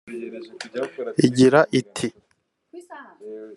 Igira iti